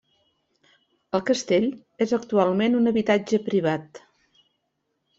El castell és actualment un habitatge privat.